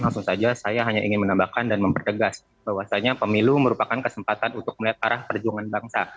langsung saja saya hanya ingin menambahkan dan mempertegas bahwasannya pemilu merupakan kesempatan untuk melihat arah perjuangan bangsa